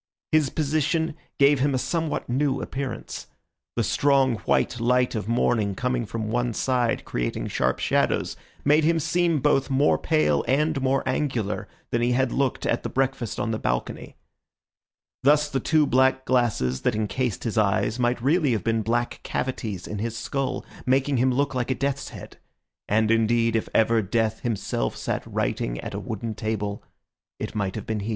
His position gave him a somewhat new appearance. The strong, white light of morning coming from one side creating sharp shadows, made him seem both more pale and more angular than he had looked at the breakfast on the balcony. Thus the two black glasses that encased his eyes might really have been black cavities in his skull, making him look like a death's head. And, indeed, if ever Death himself sat writing at a wooden table, it might have been he.